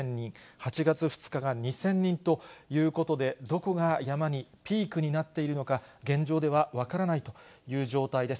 ８月２日が２０００人ということで、どこがヤマに、ピークになっているのか、現状では分からないという状態です。